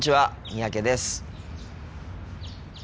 三宅です。